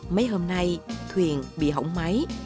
mấy hôm nay thuyền bị hỏng máy